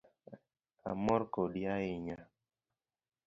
Amor kodi ahinya